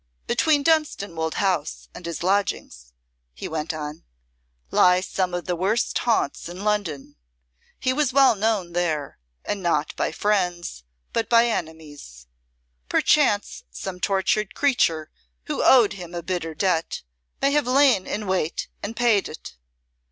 "Between Dunstanwolde House and his lodgings," he went on, "lie some of the worst haunts in London. He was well known there, and not by friends but by enemies. Perchance some tortured creature who owed him a bitter debt may have lain in wait and paid it."